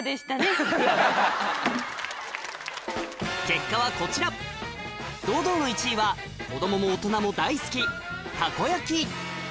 ８⁉結果はこちら堂々の１位は子供も大人も大好きたこ焼き